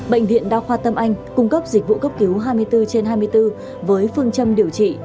bệnh viện đa khoa tâm anh cung cấp dịch vụ cấp cứu hai mươi bốn trên hai mươi bốn với phương châm điều trị